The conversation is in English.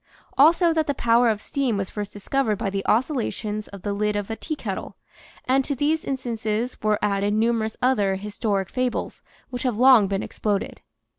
Also that the power of steam was first discovered by the oscillations of the lid of a teakettle; and to these instances were added numerous other historic fables which have long been exploded.